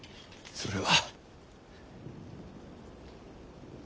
それは。